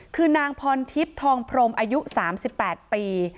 คือนางพรทิพย์ทองพรมอายุ๓๘ปี